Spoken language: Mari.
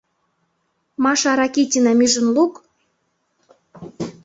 — Маша Ракитинам ӱжын лук.